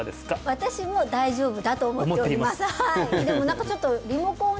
私も大丈夫だと思っております